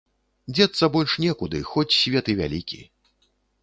Дзецца больш некуды, хоць свет і вялікі.